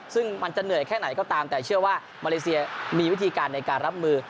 ซึ่งมันจะเหนื่อยแค่ไหนก็ตามแต่เชื่อว่ามาเลเซียมีวิธีการในการรับมือ